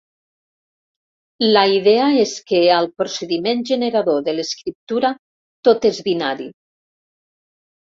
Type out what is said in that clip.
La idea és que al procediment generador de l'escriptura tot és binari.